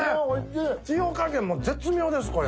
塩加減も絶妙ですこれ。